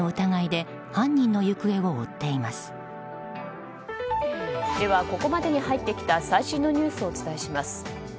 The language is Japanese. では、ここまでに入ってきた最新のニュースをお伝えします。